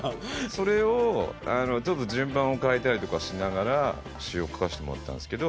それをちょっと順番を変えたりとかしながら詩を書かせてもらったんですけど。